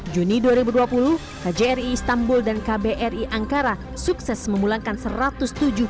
juni dua ribu dua puluh kjri istambul dan kbri angkara sukses memulangkan serangan